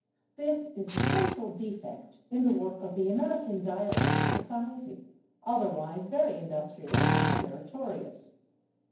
This is the central defect in the work of the American Dialect Society, otherwise very industrious and meritorious.